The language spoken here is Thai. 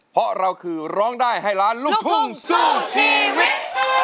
เพราะเราคือร้องได้ให้ล้านลูกทุ่งสู้ชีวิต